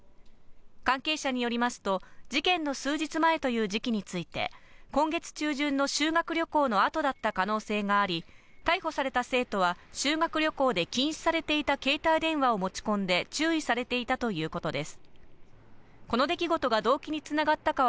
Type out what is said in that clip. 関係者によりますと事件の数日前という時期について今月中旬の修学旅行のあとだった可能性があり逮捕された生徒は修学旅行で禁止されていた携帯電話を持ち込んで注意されていたということです。